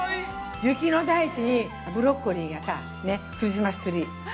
雪の大地にブロッコリーがさ、ね、クルスマスツリー。